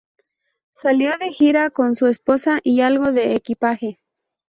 Salió de gira con su esposa y algo de equipaje.